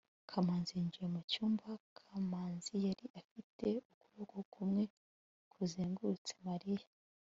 kamanzi yinjiye mu cyumba, kamanzi yari afite ukuboko kumwe kuzengurutse mariya